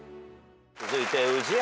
続いて宇治原。